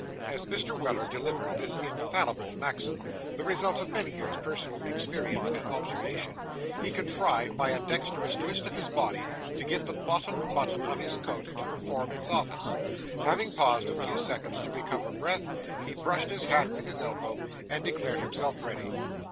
As Mr. Weller delivered this infallible maxim the result of many years' personal experience and observation he contrived, by a dexterous twist of his body, to get the bottom button of his coat to perform its office. Having paused a few seconds to recover breath, he brushed his hat with his elbow, and declared himself ready.